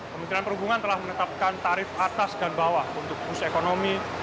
kementerian perhubungan telah menetapkan tarif atas dan bawah untuk bus ekonomi